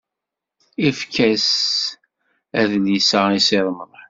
Efk-as adlis-a i Si Remḍan.